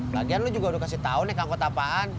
lagian lo juga udah kasih tahu naik angkot apaan